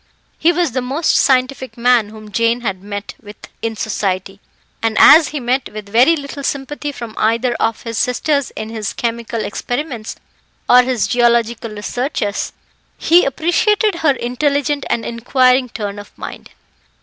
He was the most scientific man whom Jane had met with in society; and, as he met with very little sympathy from either of his sisters in his chemical experiments or his geological researches, he appreciated her intelligent and inquiring turn of mind.